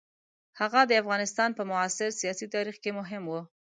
هغه د افغانستان په معاصر سیاسي تاریخ کې مهم وو.